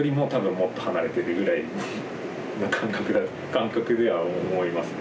感覚では思いますね。